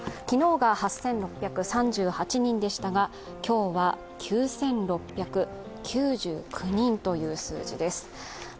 昨日が８６３８人でしたが、今日は９６９９人という数字です。